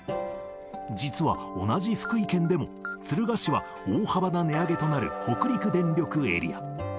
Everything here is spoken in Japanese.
実は同じ福井県でも、敦賀市は大幅な値上げとなる北陸電力エリア。